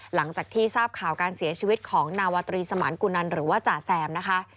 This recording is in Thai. หลังจากที่ทราบข่าวการเสียชีวิตของนาวาตรีสมานกุนันหรือว่าจ่าแซมนะคะ